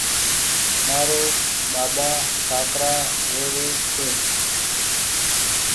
مآرو ٻآٻآ سآڪرآ رهوي ڇي